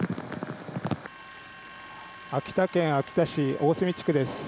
秋田県秋田市大住地区です。